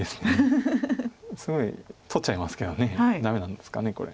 すごい取っちゃいますけどダメなんですかねこれ。